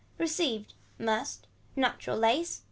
Received. Must. Natural lace.